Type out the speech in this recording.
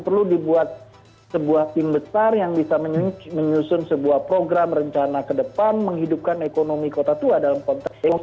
perlu dibuat sebuah tim besar yang bisa menyusun sebuah program rencana ke depan menghidupkan ekonomi kota tua dalam konteks ini